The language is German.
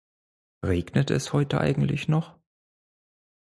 Regnet es heute eigentlich noch?